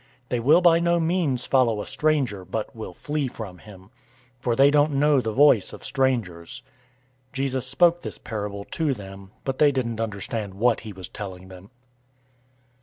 010:005 They will by no means follow a stranger, but will flee from him; for they don't know the voice of strangers." 010:006 Jesus spoke this parable to them, but they didn't understand what he was telling them.